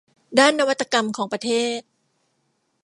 ด้านนวัตกรรมของประเทศ